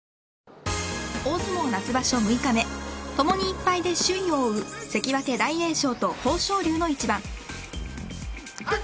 大相撲夏場所６日目ともに１敗で首位を追う関脇、大栄翔と豊昇龍の一番。